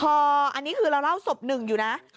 พออันนี้คือเราเล่าศพหนึ่งอยู่นะ